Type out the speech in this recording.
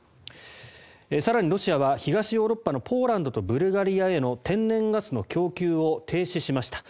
更に、ロシアは東ヨーロッパのポーランドとブルガリアへの天然ガスの供給を停止しました。